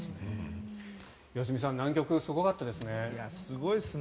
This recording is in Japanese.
良純さん南極、すごかったですね。